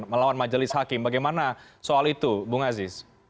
melawan majelis hakim bagaimana soal itu bung aziz